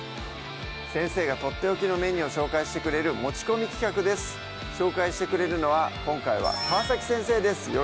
先生がとっておきのメニューを紹介してくれる持ち込み企画です紹介してくれるのは今回は川先生です